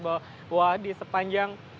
bahwa di sepanjang